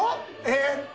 「えっ！？」